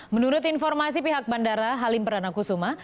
menurut informasi pihak bandara halim perdana kusuma